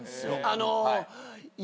あの。